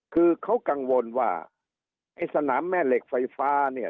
คือเขากังวลว่าไอ้สนามแม่เหล็กไฟฟ้าเนี่ย